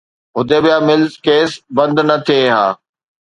Hudaibiya mills case بند نه ٿئي ها.